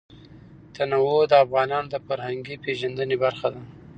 تنوع د افغانانو د فرهنګي پیژندنې برخه ده.